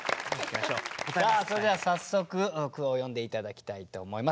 さあそれじゃあ早速句を読んで頂きたいと思います。